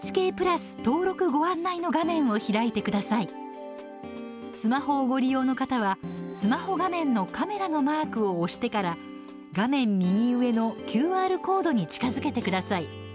スマホをご利用の方はスマホ画面のカメラのマークを押してから画面右上のＱＲコードに近づけてください。